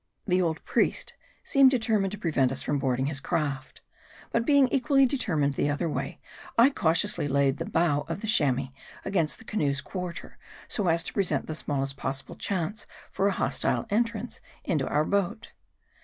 The old, priest seemed determined to prevent us from MARDI. 159 boarding his craft. But being equally determined the other way, I cautiously laid the bow of the Chamois against the canoe's quarter, so as to present the smallest possible chance for a hostile entrance into our boat.